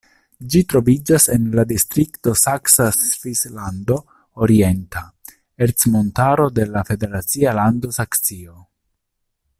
Ĝi troviĝas en la distrikto Saksa Svislando-Orienta Ercmontaro de la federacia lando Saksio.